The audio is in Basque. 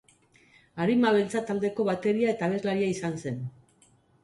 Arima Beltza taldeko bateria eta abeslaria izan zen.